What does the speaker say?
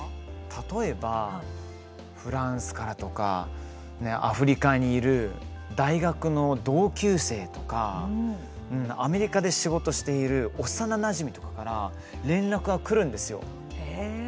例えばフランスからとかアフリカにいる大学の同級生とかアメリカで仕事している幼なじみとかからへえー。